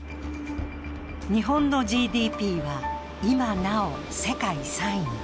日本のＧＤＰは今なお世界３位。